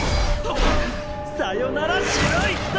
さよなら白い人！！